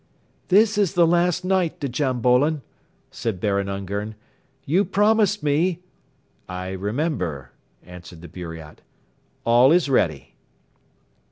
"This is the last night, Djam Bolon!" said Baron Ungern. "You promised me ..." "I remember," answered the Buriat, "all is ready."